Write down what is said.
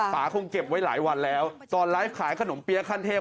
ป่าคงเก็บไว้หลายวันแล้วตอนไลฟ์ขายขนมเปี๊ยะขั้นเทพ